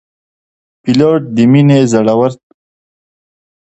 پیلوټ د مینې، زړورت